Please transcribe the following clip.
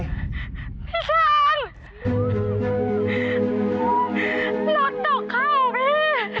พี่ฉันรถตกเข้าพี่